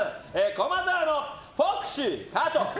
駒澤のフォクシー加藤。